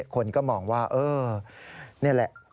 คนก็มองว่าเออนี่แหละ